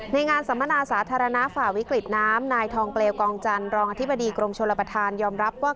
งานสัมมนาสาธารณะฝ่าวิกฤตน้ำนายทองเปลวกองจันทร์รองอธิบดีกรมชลประธานยอมรับว่า